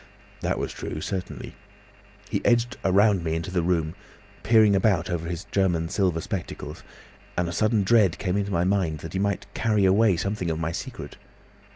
That was true, certainly. He edged round me into the room, peering about over his German silver spectacles, and a sudden dread came into my mind that he might carry away something of my secret.